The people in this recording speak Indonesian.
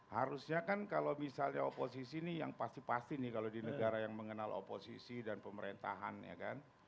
harusnya kan kalau misalnya oposisi nih yang pasti pasti nih kalau di negara yang mengenal oposisi dan pemerintahan ya kan